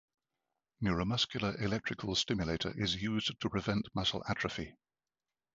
Neuromuscular electrical stimulator is used to prevent muscle atrophy.